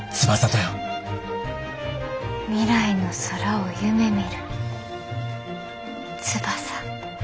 未来の空を夢みる翼。